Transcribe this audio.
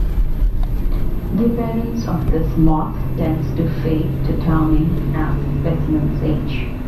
The appearance of this moth tends to fade to tawny as specimens age.